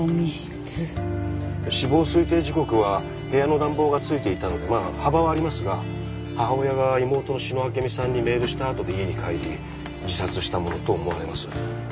死亡推定時刻は部屋の暖房がついていたのでまぁ幅はありますが母親が妹の志野あけみさんにメールした後で家に帰り自殺したものと思われます。